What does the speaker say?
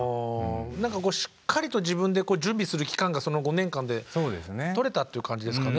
何かこうしっかりと自分で準備する期間がその５年間でとれたっていう感じですかね。